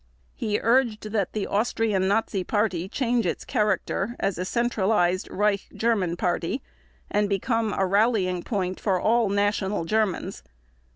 He urged that the Austrian Nazi Party change its character as a centralized Reich German party and become a rallying point for all National Germans.